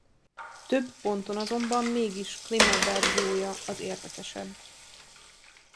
Több ponton azonban mégis Clément verziója az érdekesebb.